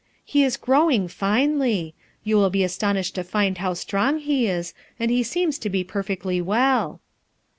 <,,. is growing finely; you will bo astonished to 0m how strong he IS, and he seems to be perfectly well."